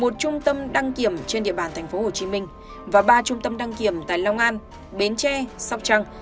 một trung tâm đăng kiểm trên địa bàn tp hcm và ba trung tâm đăng kiểm tại long an bến tre sóc trăng